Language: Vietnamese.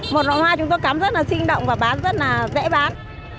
một loại hoa chúng tôi cảm rất là sinh động và bán rất là dễ bán